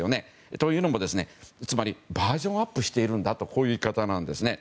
というのも、バージョンアップしているんだという言い方なんですね。